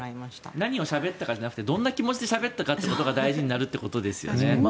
何をしゃべったかじゃなくてどんな気持ちでしゃべったかが大事になるということですね。